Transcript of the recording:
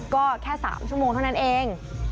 ก็แค่๓ชั่วโมงเท่านั้นเอง